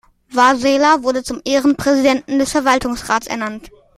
Vasella wurde zum Ehrenpräsidenten des Verwaltungsrats ernannt.